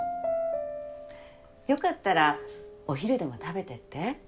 よかったらお昼でも食べていって。